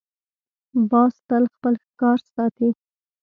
باز تل خپل ښکار ساتي